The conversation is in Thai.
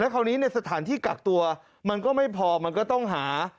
คราวนี้ในสถานที่กักตัวมันก็ไม่พอมันก็ต้องหา